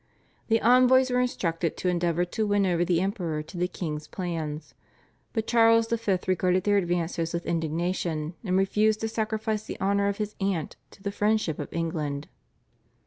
The envoys were instructed to endeavour to win over the Emperor to the king's plans, but Charles V. regarded their advances with indignation and refused to sacrifice the honour of his aunt to the friendship of England.